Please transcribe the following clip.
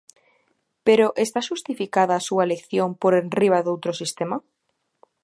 ¿Pero está xustificada a súa elección por enriba doutro sistema?